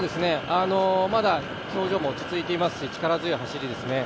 まだ表情も落ち着いていますし、力強い走りですね。